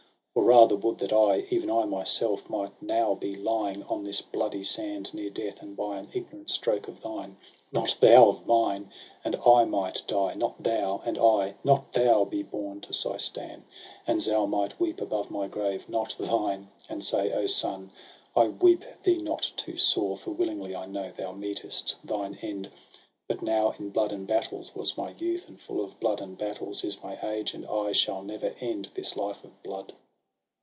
Or rather would that I, even I myself, SOHRAB AND RUSTUM. 119 Might now be lying on this bloody sand, Near death, and by an ignorant stroke of thine. Not thou of mine ! and I might die, not thou ; And I, not thou, be borne to Seistan; And Zal might weep above my grave, not thine; And say : son, I weep thee not too sore, For willingly, I know, thou mefst thine end! But now in blood and battles was my youth, And full of blood and battles is my age. And I shall never end this life of blood.'